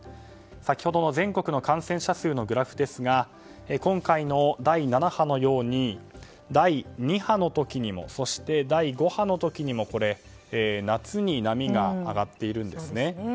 先ほどの全国の感染者数のグラフですが今回の第７波のように第２波の時にもそして第５波の時にも夏に波が上がっているんですね。